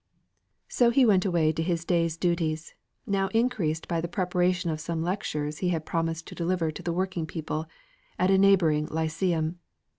So he went away to his day's duties, now increased by the preparation of some lectures he had promised to deliver to the working people at a neighbouring Lyceum.